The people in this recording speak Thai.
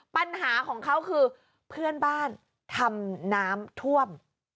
ปัญหาของเขาคือเพื่อนบ้านทำน้ำท่วม